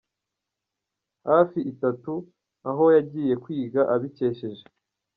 hafi itatu Aho yagiye kwiga abikesheje.